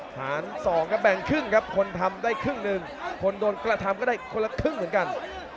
หาร๒ครับแบ่งครึ่งครับคนทำได้ครึ่งหนึ่งคนโดนกระทำก็ได้คนละครึ่งเหมือนกัน